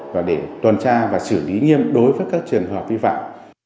và để tuần tra và xử lý nghiêm đối với các trường hợp vi phạm